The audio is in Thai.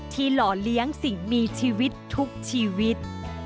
หล่อเลี้ยงสิ่งมีชีวิตทุกชีวิต